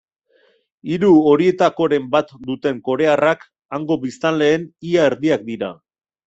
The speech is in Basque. Hiru horietakoren bat duten korearrak hango biztanleen ia erdiak dira.